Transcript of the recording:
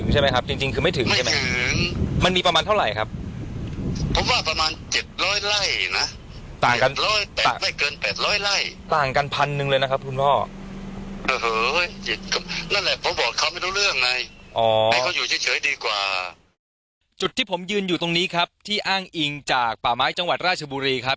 จุดที่ผมยืนอยู่ตรงนี้ครับที่อ้างอิงจากป่าไม้จังหวัดราชบุรีครับ